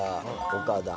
岡田。